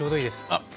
あっ！